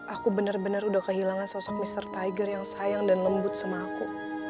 aku benar benar udah kehilangan sosok mr tiger yang sayang dan lembut sama aku